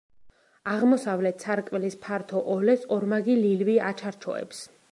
აღმოსავლეთ სარკმლის ფართო ოლეს ორმაგი ლილვი აჩარჩოებს.